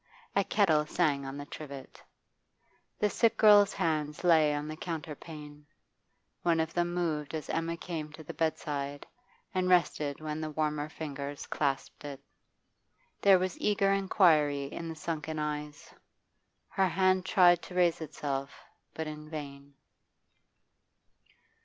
A kettle sang on the trivet. The sick girl's hands lay on the counterpane; one of them moved as Emma came to the bedside, and rested when the warmer fingers clasped it. There was eager inquiry in the sunken eyes; her hand tried to raise itself, but in vain.